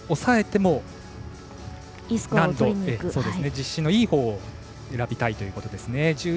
技の実施、少し抑えても実施のいいほうを選びたいということですね。１１．４００。